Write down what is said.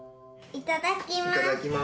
いただきます。